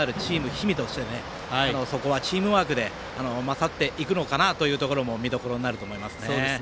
氷見としてそこはチームワークで勝っていくのかなというところも見どころになると思います。